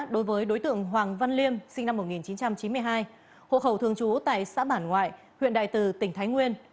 đối với đối tượng hoàng văn liêm sinh năm một nghìn chín trăm chín mươi hai hộ khẩu thường trú tại xã bản ngoại huyện đại từ tỉnh thái nguyên